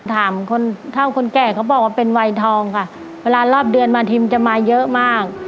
ถามคนเท่าคนแก่เขาบอกว่าเป็นวัยทองค่ะเวลารอบเดือนมาทีมจะมาเยอะมาก